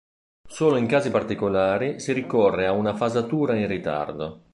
Solo in casi particolari si ricorre a una fasatura in ritardo.